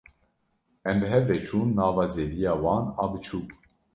Em bi hev re çûn nava zeviya wan a biçûk.